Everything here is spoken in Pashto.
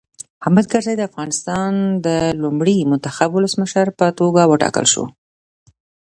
حامد کرزی د افغانستان د لومړي منتخب ولسمشر په توګه وټاکل شو.